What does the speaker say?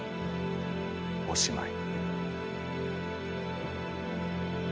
おしまい。